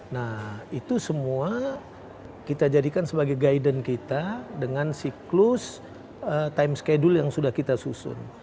nah itu semua kita jadikan sebagai guidance kita dengan siklus time schedule yang sudah kita susun